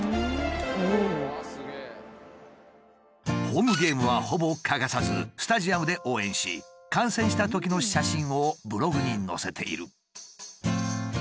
ホームゲームはほぼ欠かさずスタジアムで応援し観戦したときの写真をブログに載せている。